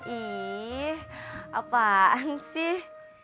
ih apaan sih